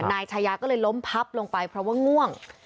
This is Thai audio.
นายชายาก็เลยล้มพับลงไปเพราะว่าง่วง